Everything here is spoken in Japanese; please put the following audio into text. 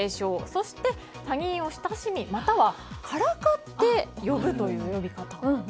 そして、他人を親しみまたは、からかって呼ぶという呼び方も。